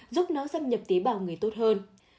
giúp nó xâm nhập tế bào người đàn ông